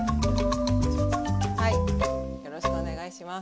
よろしくお願いします。